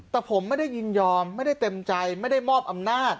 แต่ผมไม่ได้ยินยอมไม่ได้เต็มใจไม่ได้มอบอำนาจ